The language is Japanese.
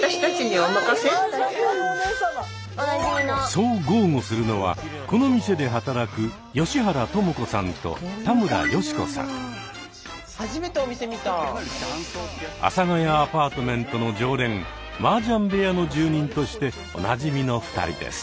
そう豪語するのはこの店で働く阿佐ヶ谷アパートメントの常連「マージャン部屋」の住人としておなじみの２人です。